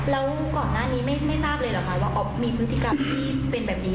แล้วก่อนหน้านี้ไม่ทราบเลยเหรอคะว่าอ๊อฟมีพฤติกรรมที่เป็นแบบนี้